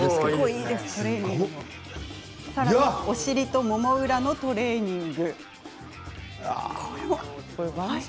お尻と、もも裏のトレーニング。